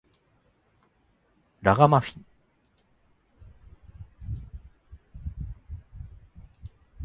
ラガマフィン